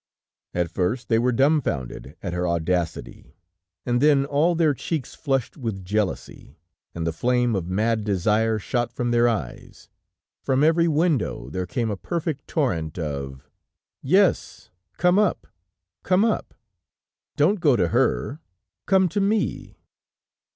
At first they were dumbfounded at her audacity, and then all their cheeks flushed with jealousy, and the flame of mad desire shot from their eyes, from every window there came a perfect torrent of: "Yes, come up, come up." "Don't go to her! Come to me."